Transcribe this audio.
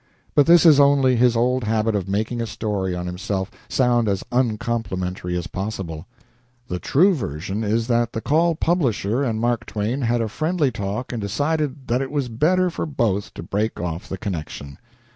But this is only his old habit of making a story on himself sound as uncomplimentary as possible. The true version is that the "Call" publisher and Mark Twain had a friendly talk and decided that it was better for both to break off the connection.